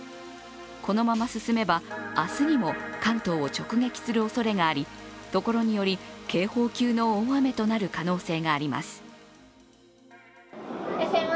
このまま進めば、明日にも関東を直撃するおそれがあり所により警報級の大雨となる可能性があります。